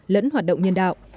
lẫn hoạt động nhân đạo